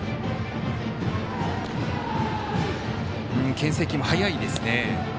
けん制球も速いですね。